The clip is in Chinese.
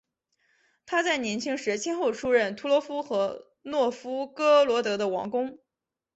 他在年轻时先后出任图罗夫和诺夫哥罗德的王公。